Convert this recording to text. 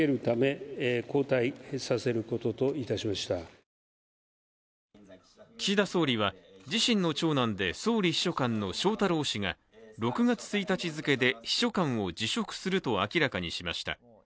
今夜、岸田総理は記者団に岸田総理は自身の長男で総理秘書官の翔太郎氏が６月１日付で秘書官を辞職すると明らかにしました。